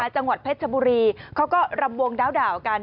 จังหวัดเพชรชบุรีเขาก็รำวงดาวกัน